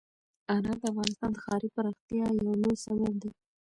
انار د افغانستان د ښاري پراختیا یو لوی سبب کېږي.